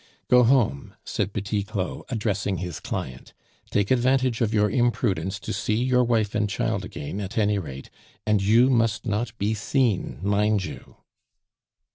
"Go home," said Petit Claud, addressing his client; "take advantage of your imprudence to see your wife and child again, at any rate; and you must not be seen, mind you!